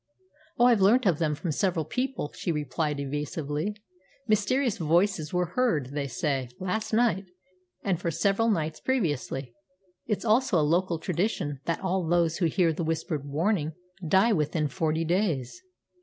"Oh, I've learnt of them from several people," she replied evasively. "Mysterious voices were heard, they say, last night, and for several nights previously. It's also a local tradition that all those who hear the whispered warning die within forty days."